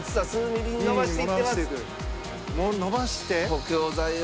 補強剤を。